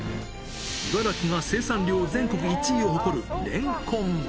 茨城が生産量全国１位を誇る、れんこん。